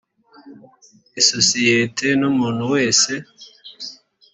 isosiyete n umuntu wese